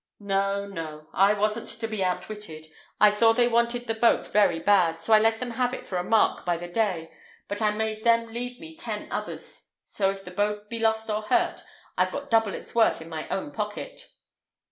"No, no; I wasn't to be outwitted. I saw they wanted the boat very bad, so I let them have it for a mark by the day; but I made them leave me ten others; so, if the boat be lost or hurt, I've got double its worth in my own pocket."